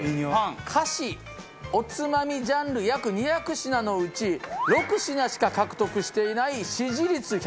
菓子おつまみジャンル約２００品のうち６品しか獲得していない支持率１００パーセントの商品があります！